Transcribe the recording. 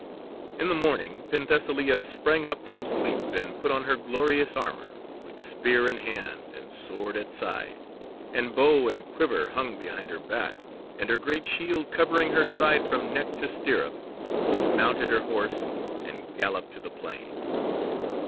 In the morning Penthesilea sprang up from sleep and put on her glorious armour, with spear in hand, and sword at side, and bow and quiver hung behind her back, and her great shield covering her side from neck to stirrup, and mounted her horse, and galloped to the plain.